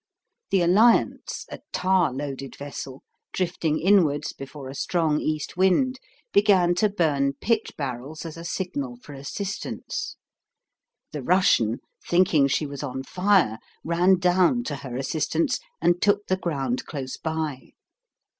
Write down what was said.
The Alliance, a tar loaded vessel, drifting inwards before a strong east wind, began to burn pitch barrels as a signal for assistance. The Russian, thinking she was on fire, ran down to her assistance, and took the ground close by.